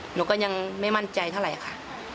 หนูก็ยังไม่มั่นใจเท่าไหร่ค่ะ